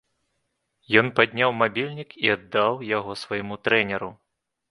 Ён падняў мабільнік і аддаў яго свайму трэнеру.